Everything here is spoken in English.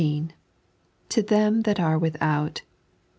"To Them that are Without."